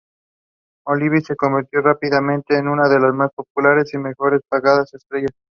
Olive se convirtió rápidamente en una de las más populares y mejores pagadas estrellas.